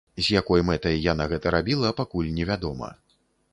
З якой мэтай яна гэта рабіла, пакуль невядома.